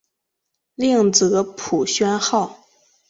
另译朴宣浩。